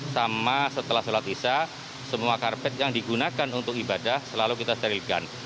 sama setelah sholat isya semua karpet yang digunakan untuk ibadah selalu kita sterilkan